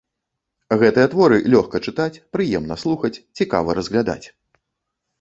Гэтыя творы лёгка чытаць, прыемна слухаць, цікава разглядаць.